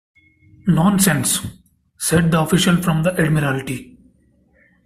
“Nonsense!” said the official from the Admiralty.